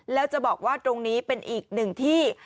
แล้วจะบอกว่าตรงนี้เป็นอีกหนึ่งที่